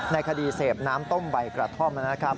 ในคดีเสพน้ำต้มใบกระท่อมนะครับ